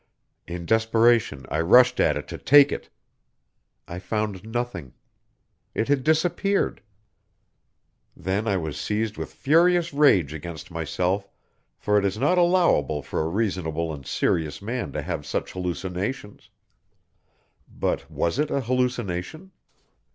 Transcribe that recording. In desperation I rushed at it to take it! I found nothing; it had disappeared. Then I was seized with furious rage against myself, for it is not allowable for a reasonable and serious man to have such hallucinations. But was it a hallucination?